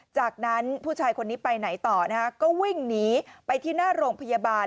จากนั้นผู้ชายคนนี้ไปไหนต่อนะฮะก็วิ่งหนีไปที่หน้าโรงพยาบาล